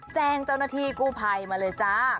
แจ้งเจ้าหน้าที่กู้ภัยมาเลยจ้า